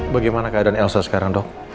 bagaimana keadaan elsa sekarang dok